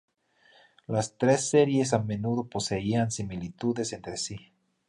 Las tres series a menudo poseían similitudes entre sí.